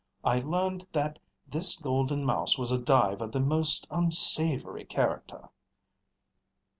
I learned that this Golden Mouse was a dive of the most unsavory character."